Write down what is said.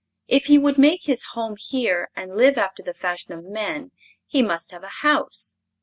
If he would make his home here and live after the fashion of men he must have a house.